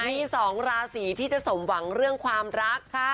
มี๒ราศีที่จะสมหวังเรื่องความรัก